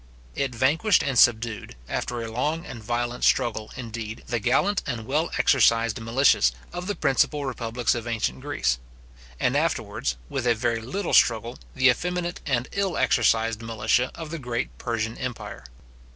It vanquished and subdued, after a long and violent struggle, indeed, the gallant and well exercised militias of the principal republics of ancient Greece; and afterwards, with very little struggle, the effeminate and ill exercised militia of the great Persian empire.